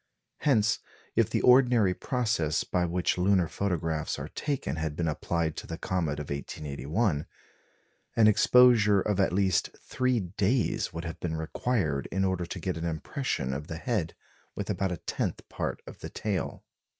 Hence, if the ordinary process by which lunar photographs are taken had been applied to the comet of 1881, an exposure of at least three days would have been required in order to get an impression of the head with about a tenth part of the tail.